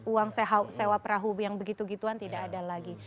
uang sewa perahu yang begitu gituan tidak ada lagi